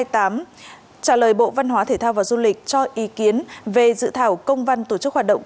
trả lời bộ văn hóa thể thao và du lịch cho ý kiến về dự thảo công văn tổ chức hoạt động